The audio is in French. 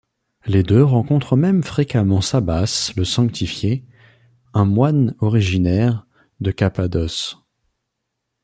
Les deux rencontrent même fréquemment Sabas le Sanctifié, un moine originaire de Cappadoce.